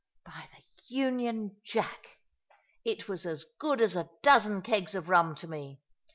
By the union jack, it was as good as a dozen kegs of rum to me.